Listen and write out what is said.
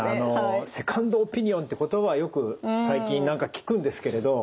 セカンドオピニオンって言葉はよく最近聞くんですけれど。